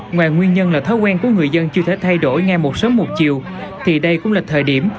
ngoài nguyên nhân là thói quen của người dân chưa thể thay đổi ngay một sớm một chiều thì đây cũng là thời điểm